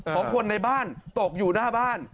ของคนในบ้านตกอยู่หน้าบ้าน